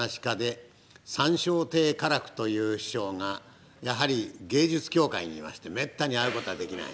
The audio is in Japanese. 亭可楽という師匠がやはり芸術協会にいましてめったに会うことはできない。